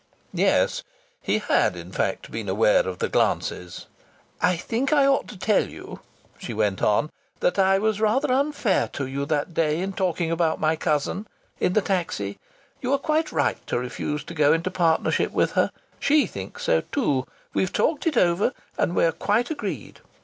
Yes, he had in fact been aware of the glances. "I think I ought to tell you," she went on, "that I was rather unfair to you that day in talking about my cousin in the taxi. You were quite right to refuse to go into partnership with her. She thinks so too. We've talked it over, and we're quite agreed.